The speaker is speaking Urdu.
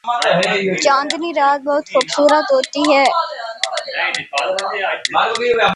چاندنی رات بہت خوبصورت ہوتی ہے۔